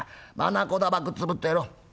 まなこだばくっつぶってろ。